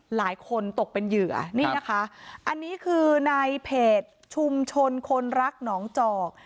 หลายคนตกเป็นเหยื่อนี่นะคะอันนี้คือในเพจชุมชนคนรักหนองจอก